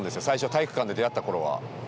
最初体育館で出会った頃は。